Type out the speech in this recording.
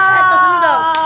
wah itu seru dong